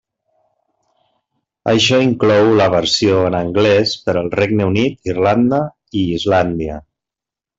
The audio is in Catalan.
Això inclou la versió en anglès per al Regne Unit, Irlanda i Islàndia.